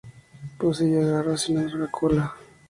Poseía garras y una larga cola.